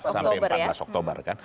empat sampai empat belas oktober ya